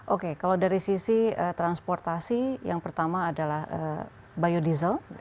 oke kalau dari sisi transportasi yang pertama adalah biodiesel